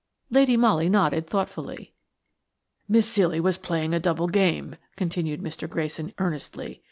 Lady Molly nodded thoughtfully. "Miss Ceely was playing a double game," continued Mr. Grayson, earnestly.